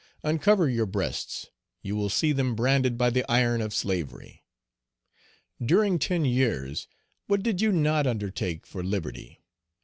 Uncover your breasts, you will see them branded by the iron of slavery. During ten Page 185 years, what did you not undertake for liberty?